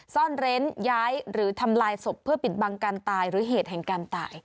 ซ่อนเร้นย้ายหรือทำลายศพเพื่อปิดบังการตายหรือเหตุแห่งการตาย